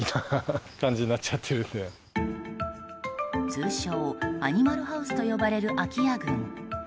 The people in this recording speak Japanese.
通称アニマルハウスと呼ばれる空き家群。